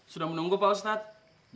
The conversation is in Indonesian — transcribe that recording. sudah menunggu pak ustadz